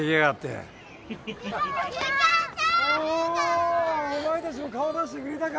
おぉお前たちも顔出してくれたか。